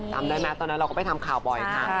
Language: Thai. จำได้ไหมตอนนั้นเราก็ไปทำข่าวบ่อยค่ะ